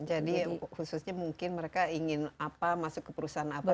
jadi khususnya mungkin mereka ingin apa masuk ke perusahaan apa